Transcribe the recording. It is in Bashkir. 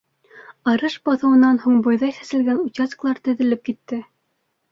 Арыш баҫыуынан һуң бойҙай сәселгән участкалар теҙелеп китә.